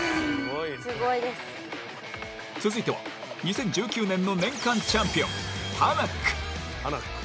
続いては、２０１９年の年間チャンピオン、タナック。